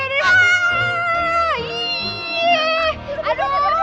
aduh aduh aduh aduh